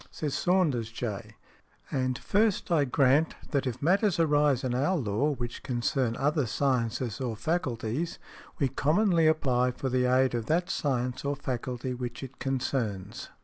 Says Saunders, J., "and first I grant that if matters arise in our law which |110| concern other sciences or faculties we commonly apply for the aid of that science or faculty which it concerns.